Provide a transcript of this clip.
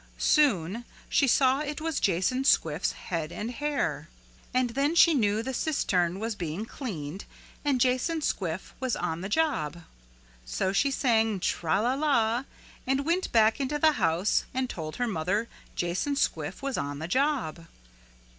Soon she saw it was Jason Squiff's head and hair. And then she knew the cistern was being cleaned and Jason Squiff was on the job. So she sang tra la la and went back into the house and told her mother Jason Squiff was on the job.